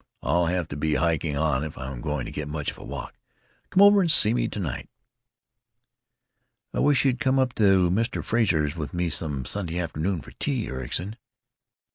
I'll have to be hiking on if I'm going to get much of a walk. Come over and see me to night." "I wish you'd come up to Mr. Frazer's with me some Sunday afternoon for tea, Ericson."